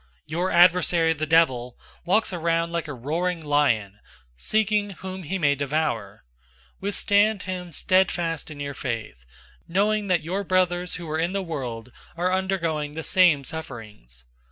Your adversary the devil, walks around like a roaring lion, seeking whom he may devour. 005:009 Withstand him steadfast in your faith, knowing that your brothers who are in the world are undergoing the same sufferings.